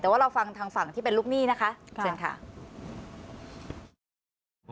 แต่ว่าเราฟังทางฝั่งที่เป็นลูกหนี้นะคะเชิญค่ะ